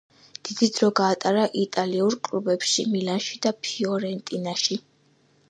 დიდი დრო გაატარა იტალიურ კლუბებში მილანში და ფიორენტინაში.